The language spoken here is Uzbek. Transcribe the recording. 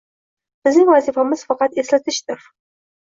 Bizning vazifamiz faqat eslatishdir.